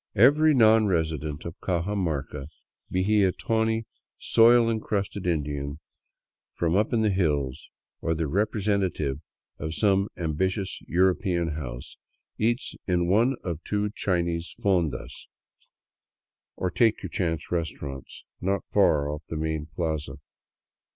Every non resident of Cajamarca, be he a tawny, soil incrusted Indian from up in the hills, or the representative of some am bitious European house, eats in one of two Chinese fondas, or take 263 VAGABONDING DOWN THE ANDES your chances restaurants, not far off the main plaza.